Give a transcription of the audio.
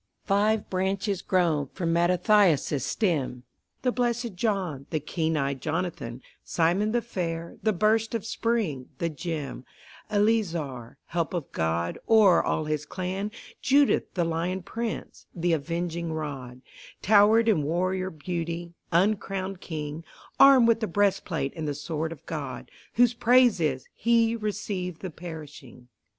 Five branches grown from Mattathias' stem, The Blessed John, the Keen Eyed Jonathan, Simon the fair, the Burst of Spring, the Gem, Eleazar, Help of God; o'er all his clan Judas the Lion Prince, the Avenging Rod, Towered in warrior beauty, uncrowned king, Armed with the breastplate and the sword of God, Whose praise is: "He received the perishing."